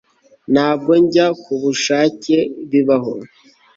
Ntaho njya kubushake Bibaho